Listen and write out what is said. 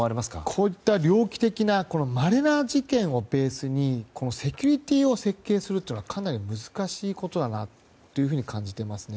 こういった猟奇的なまれな事件をベースにセキュリティーを設計するというのはかなり難しいことだなと感じていますね。